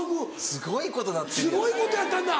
すごいことやったんだ。